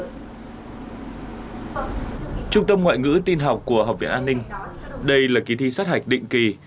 trung tâm ngoại ngữ tin học của học viện an ninh đây là kỳ thi sát hạch định kỳ